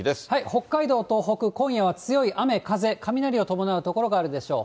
北海道、東北、今夜は強い雨、風、雷を伴う所があるでしょう。